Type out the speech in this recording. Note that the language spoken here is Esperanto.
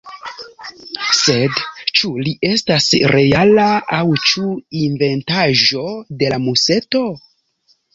Sed ĉu li estas reala, aŭ ĉu inventaĵo de la museto?